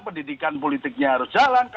pendidikan politiknya harus jalan